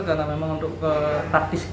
karena memang untuk praktis